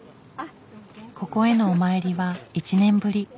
ここへのお参りは１年ぶり。